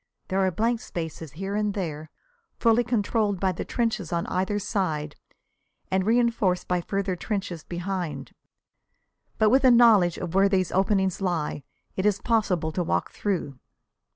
There are blank spaces here and there, fully controlled by the trenches on either side, and reënforced by further trenches behind. But with a knowledge of where these openings lie it is possible to work through.